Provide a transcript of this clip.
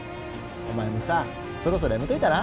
お前もさそろそろやめといたら？